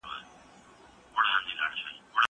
کېدای سي پاکوالی کمزوری وي!